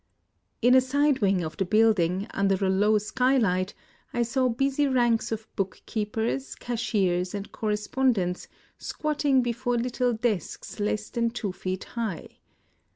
In a side wing of the building, under a low skylight, I saw busy ranks of bookkeepers, cashiers, and correspondents squatting before little desks less than two feet high.